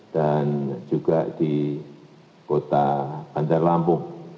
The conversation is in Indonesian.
dan juga di kota bantar lampung